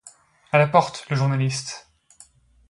À la porte, le journaliste!